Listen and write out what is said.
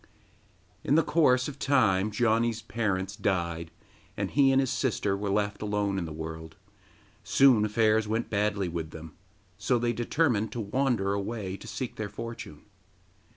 In the course of time Janni's parents died, and he and his sister were left alone in the world; soon affairs went badly with them, so they determined to wander away to seek their fortune.